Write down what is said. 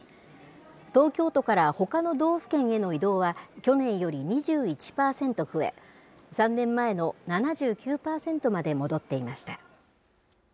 東京都からほかの道府県への移動は、去年より２１％増え、３年前の７９％まで戻っていました。